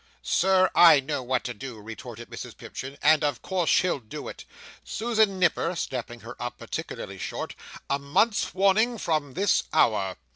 "Sir, I know what to do," retorted Mrs Pipchin, "and of course shall do it. Susan Nipper," snapping her up particularly short, "a month's warning from this hour."